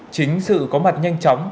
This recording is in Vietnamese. chính sự có mặt nhanh chóng